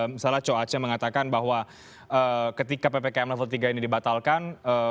misalnya co aceh mengatakan bahwa ketika ppkm level tiga ini dibatalkan